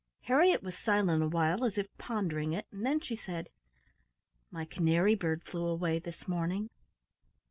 Harriet was silent awhile as if pondering it, and then she said, "My canary bird flew away this morning."